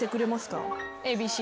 ＡＢＣ？